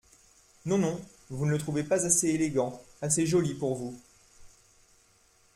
Non, non, vous ne le trouvez pas assez élégant, assez joli pour vous !